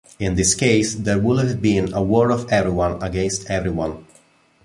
In this case, there would have been a war of everyone against everyone.